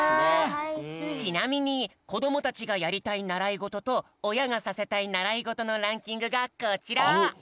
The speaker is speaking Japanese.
ちなみにこどもたちがやりたいならいごととおやがさせたいならいごとのランキングがこちら！